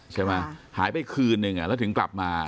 ใช่ไหมหายไปคืนหนึ่งแล้วถึงกลับมา